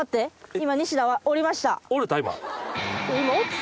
今。